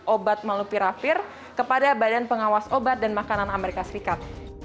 obat molnupiravir kepada badan pengawas obat dan makanan amerika serikat